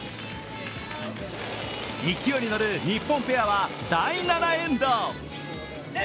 勢いに乗る日本ペアは第７エンド。